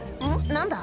何だ？